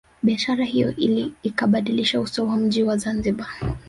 Biashara hiyo ikabadilisha uso wa mji wa Zanzibar